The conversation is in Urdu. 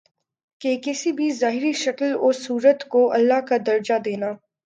کہ کسی بھی ظاہری شکل و صورت کو الہٰ کا درجہ دینا